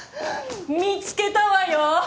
見つけたわよ！